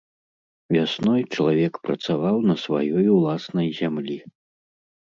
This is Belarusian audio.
Вясной чалавек працаваў на сваёй уласнай зямлі.